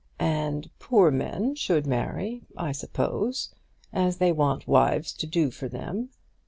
And poor men should marry, I suppose, as they want wives to do for them.